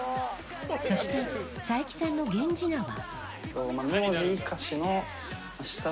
そして佐伯さんの源氏名は。